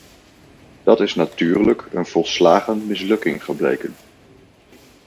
Dat is natuurlijk een volslagen mislukking gebleken.